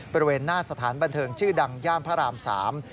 บริเวณหน้าสถานบนธึงชื่อดังย่าพระราม๓